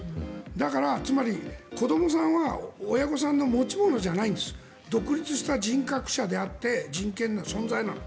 だからつまり、子どもさんは親御さんの持ち物じゃないんです独立した人格者であって人権の存在なの。